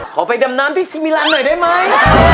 ไปดำน้ำที่สมิลันหน่อยได้ไหม